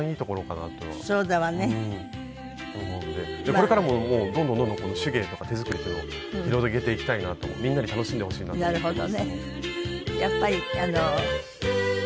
これからもどんどんどんどん手芸とか手作りっていうのを広げていきたいなとみんなに楽しんでほしいなと思っています。